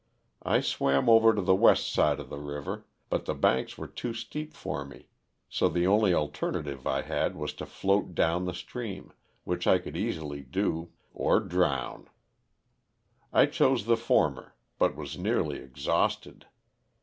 I swam over to the west side of the river, but the banks were too steep for me, so the only alternative I had was to float down the stream, which I could easily do, or drown. I chose the former, but was nearly exhausted.